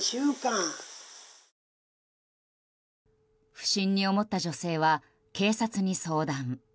不審に思った女性は警察に相談。